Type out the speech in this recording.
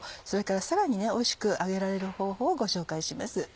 それからさらにおいしく揚げられる方法をご紹介します。